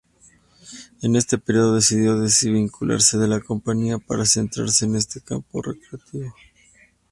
En este periodo decidió desvincularse de la compañía para centrarse en este campo creativo.